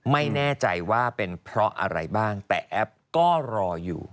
ไม่แน่ใจว่าเป็นเพราะอะไรบ้างแต่แอปก็รออยู่